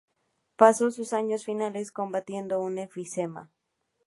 Pasó sus años finales combatiendo un enfisema.